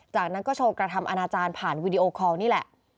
จากนั้นก็โชว์กระทำอนาจารย์ผ่านวีดีโอคอลนี่แหละ